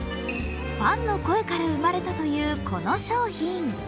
ファンの声から生まれたというこの商品。